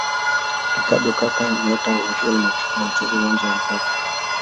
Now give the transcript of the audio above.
ricardo kaka nyota wa real madrid alicheza uwanja wa mkapa